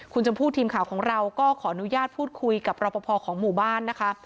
คุณชมพู่ทีมข่าวของเราก็ขออนุญาตพูดคุยกับรอปภของหมู่บ้านนะคะ